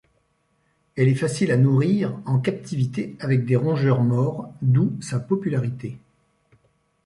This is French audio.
Elle est facile à nourrir en captivité avec des rongeurs morts, d'où sa popularité.